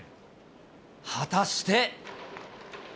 果たして？